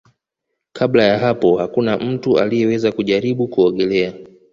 Kabla ya hapo hakuna mtu aliyeweza kujaribu kuogelea